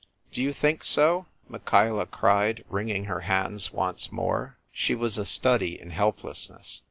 " Do you think so ?" Michaela cried, wringing her hands once more. She was a study in helplessness.